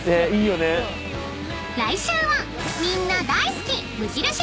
［来週はみんな大好き無印